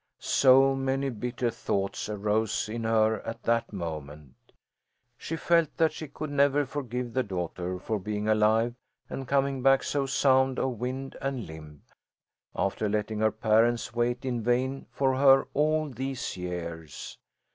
So many bitter thoughts arose in her at that moment! She felt that she could never forgive the daughter for being alive and coming back so sound of wind and limb, after letting her parents wait in vain for her all these years.